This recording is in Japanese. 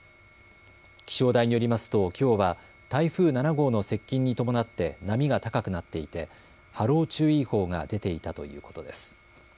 気象台によりますときょうは台風７号の接近に伴って波が高くなっていて波浪注意報が出ていたということです。